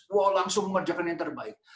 wah langsung bekerja dengan yang terbaik